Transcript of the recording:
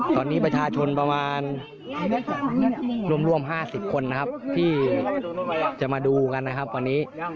ตอนนี้ประชาชนประมาณร่วม๕๐คนนะครับที่จะมาดูกันนะครับวันนี้